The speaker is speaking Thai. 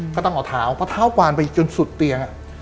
ก็ต้องเอาเทากระเทาแกวานจนสุดเตียง